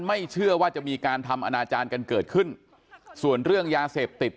ไม่เชื่อว่าจะมีการทำอนาจารย์กันเกิดขึ้นส่วนเรื่องยาเสพติด